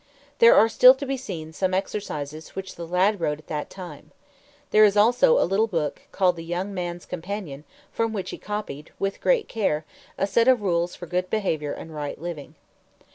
There are still to be seen some exercises which the lad wrote at that time. There is also a little book, called The Young Man's Companion, from which he copied, with great care, a set of rules for good behavior and right living.